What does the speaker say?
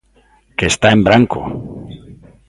¡Que está en branco!